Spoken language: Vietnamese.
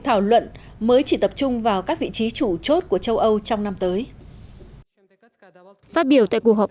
thảo luận mới chỉ tập trung vào các vị trí chủ chốt của châu âu trong năm tới phát biểu tại cuộc họp